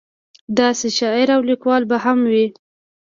داسې شاعر او لیکوال به هم وي.